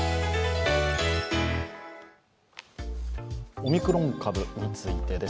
オミクロン株についてです。